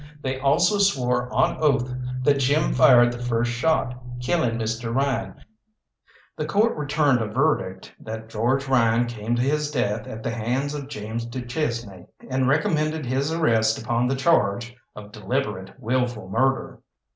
They also swore on oath that Jim fired the first shot, killing Mr. Ryan. The Court returned a verdict that George Ryan came to his death at the hands of James du Chesnay, and recommended his arrest upon the charge of deliberate wilful murder.